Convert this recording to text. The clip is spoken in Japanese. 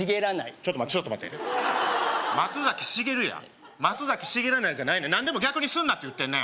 ちょっと待てちょっと待て松崎しげるや松崎しげらないじゃないの何でも逆にすんなって言ってんねん